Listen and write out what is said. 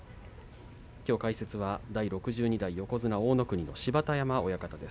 きょう解説は第６２代横綱大乃国芝田山親方です。